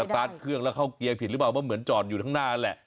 ตาร์ทเครื่องแล้วเข้าเกียร์ผิดหรือเปล่าว่าเหมือนจอดอยู่ข้างหน้านั่นแหละ